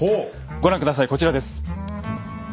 ご覧下さいこちらです。